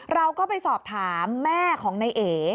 เราก็ไปสอบถามแม่ของนายเอ๋